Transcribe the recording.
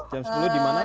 jam sepuluh di mana